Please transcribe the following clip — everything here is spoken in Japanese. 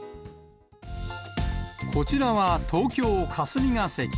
こちらは東京・霞が関。